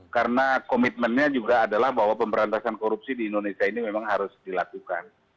karena komitmennya juga adalah bahwa pemberantasan korupsi di indonesia ini memang harus dilakukan